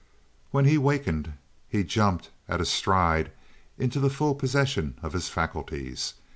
4 When he wakened, he jumped at a stride into the full possession of his faculties.